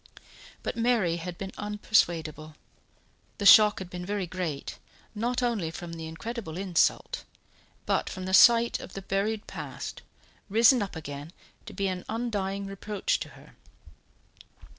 But Mary had been unpersuadable. The shock had been very great, not only from the incredible insult, but from the sight of the buried past, risen up again to be an undying reproach to her.